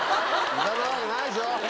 ヒザなわけないでしょ。